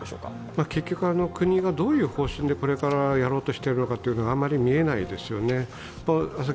結局、国がどういう方針でこれからやろうとしているのかがあまり見えないですよね。